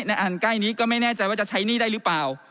อันใกล้นี้ก็ไม่แน่ใจว่าจะใช้หนี้ได้หรือเปล่า